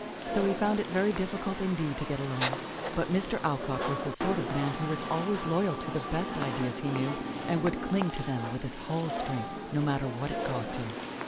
So he found it very difficult indeed to get along. But Mr. Alcott was the sort of man who was always loyal to the best ideas he knew and would cling to them with his whole strength, no matter what it cost him.